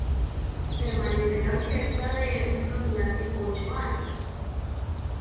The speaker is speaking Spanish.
Permaneció en la orquestra de Ellington durante ocho años.